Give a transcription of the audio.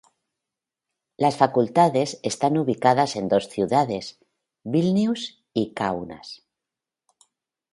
Las facultades están ubicadas en dos ciudades:Vilnius y Kaunas.